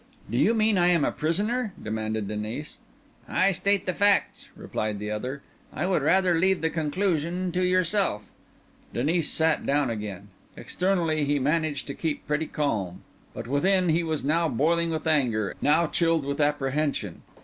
"Do you mean I am a prisoner?" demanded Denis. "I state the facts," replied the other. "I would rather leave the conclusion to yourself." Denis sat down again. Externally he managed to keep pretty calm; but within, he was now boiling with anger, now chilled with apprehension.